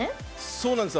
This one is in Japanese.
そうなんです。